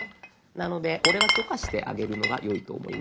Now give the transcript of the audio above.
なのでこれは許可してあげるのがよいと思います。